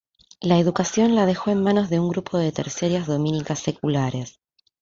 La educación la dejó en manos de un grupo de terciarias dominicas seculares.